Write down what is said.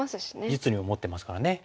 実利も持ってますからね。